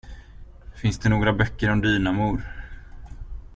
Finns det några böcker om dynamor?